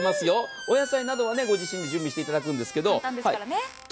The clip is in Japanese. お野菜などはご自身で準備いただくんですが。